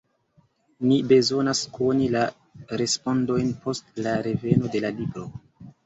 Ni bezonas koni la respondojn post la reveno de la libro.